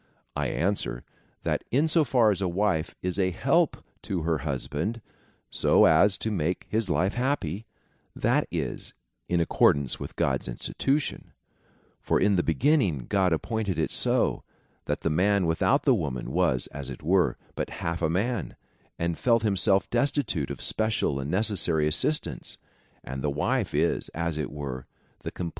I answer, that in so far as a wife is a help to her husband, so as to make his life liapp}^, that is in accordance with God's institution ; for in the beginning God appointed it so, that the man without the woman was, as it were, but half a man, and felt himself destitute of special and necessary as sistance, and the wife is, as it were, the completing of the 1 Our Author, when commenting on Matt.